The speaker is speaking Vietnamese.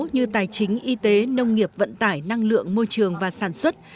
như tài chính y tế nông nghiệp vận tải năng lượng môi trường và sản xuất